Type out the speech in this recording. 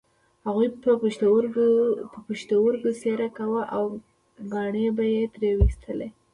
هغوی به پښتورګی څیرې کاوه او کاڼي به یې ترې ویستل.